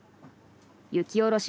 雪下ろし